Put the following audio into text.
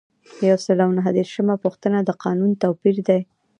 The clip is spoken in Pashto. یو سل او نهه دیرشمه پوښتنه د قانون توپیر دی.